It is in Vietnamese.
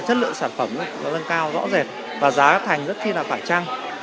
chất lượng sản phẩm nó lân cao rõ rệt và giá thành rất khi là phải trăng